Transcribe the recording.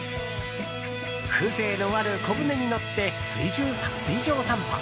風情のある小舟に乗って水上散歩。